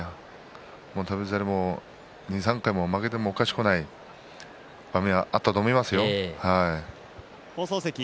翔猿も２、３回負けておかしくない場面はあったと思いますよ。